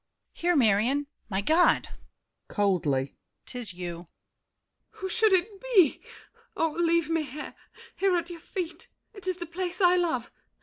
Here, Marion! My God! [Coldly.] 'Tis you? MARION. Who should it be? Oh, leave me here— Here at your feet! It is the place I love!